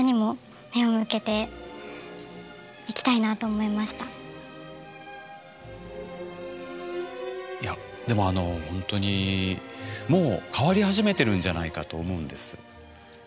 今ちょっといやでもほんとにもう変わり始めてるんじゃないかと思うんです。